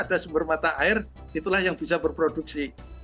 ada sumber mata air itulah yang bisa berproduksi